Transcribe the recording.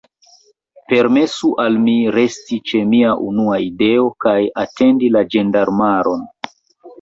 Permesu al mi, resti ĉe mia unua ideo, kaj atendi la ĝendarmaron.